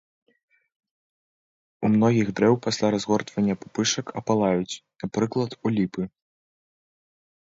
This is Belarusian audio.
У многіх дрэў пасля разгортвання пупышак апалаюць, напрыклад, у ліпы.